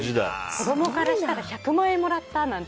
子供からしたら１００万円もらったなんて。